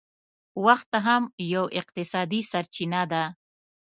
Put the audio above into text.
وخت هم یو اقتصادي سرچینه ده